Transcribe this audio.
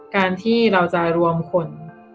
การที่เราจะรวมคน